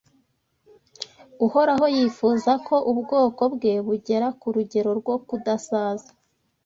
Uhoraho yifuza ko ubwoko bwe bugera ku rugero rwo kudasaza